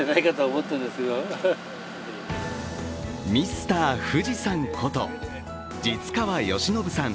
ミスター富士山こと實川欣伸さん